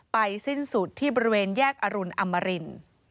สิ้นสุดที่บริเวณแยกอรุณอมริน